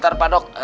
ntar pak dok